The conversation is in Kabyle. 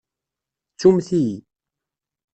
Ttumt-iyi.